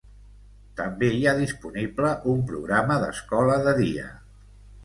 També hi ha disponible un programa d'escola de dia.